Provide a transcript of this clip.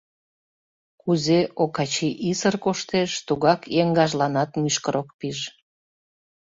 Кузе Окачий исыр коштеш — тугак еҥгажланат мӱшкыр ок пиж...